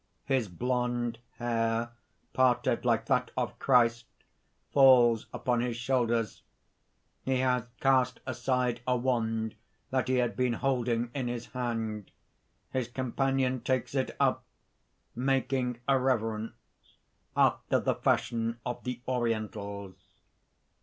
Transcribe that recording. His blond hair, parted like that of Christ, falls upon his shoulders. He has cast aside a wand that he had been holding in his hand; his companion takes it up, making a reverence after the fashion of the Orientals.